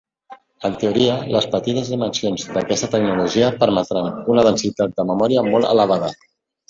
En teoria, les petites dimensions d'aquesta tecnologia permetran una densitat de memòria molt elevada.